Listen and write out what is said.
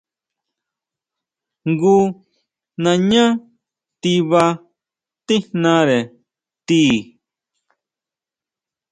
Jngu nañá tiba tíjnare ti.